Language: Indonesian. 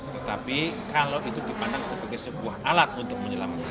tetapi kalau itu dipandang sebagai sebuah alat untuk menyelamatkan